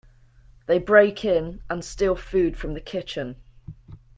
They break in and steal food from the kitchen.